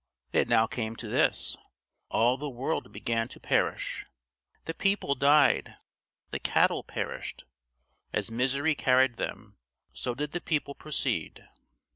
It now came to this all the world began to perish! The people died; the cattle perished; as misery carried them, so did the people proceed.